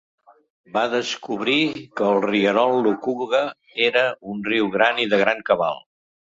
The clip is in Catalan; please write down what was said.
Va descobrir que el rierol Lukuga era un riu gran i de gran cabal.